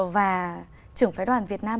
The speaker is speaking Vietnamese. và trưởng phái đoàn việt nam